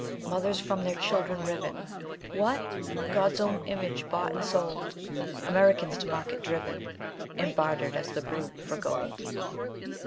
mothers from their children riven! What! God's own image bought and sold! Americans to market driven, And barter'd as the brute for gold."